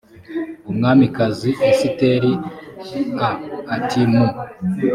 umwamikazi esiteri a ati mu